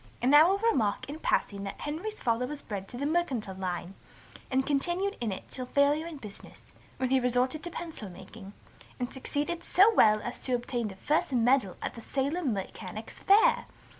And now I will remark in passing that Henry's father was bred to the mercantile line, and continued in it till failure in business; when he resorted to pencil making, and succeeded so well as to obtain the first medal at the Salem Mechanics' Fair.